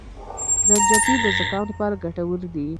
زنجپيل د زکام لپاره ګټور دي